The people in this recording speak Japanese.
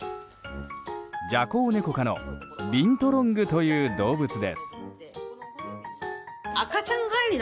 ジャコウネコ科のビントロングという動物です。